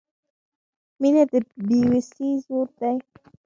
• مینه د بې وسۍ زور دی.